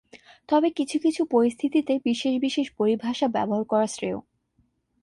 তবে কিছু কিছু পরিস্থিতিতে বিশেষ বিশেষ পরিভাষা ব্যবহার করা শ্রেয়।